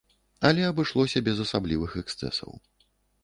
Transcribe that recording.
Але абышлося без асаблівых эксцэсаў.